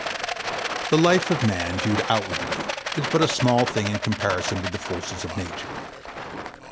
The life of Man, viewed outwardly, is but a small thing in comparison with the forces of Nature.